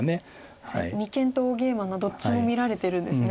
確かに二間と大ゲイマのどっちも見られてるんですね。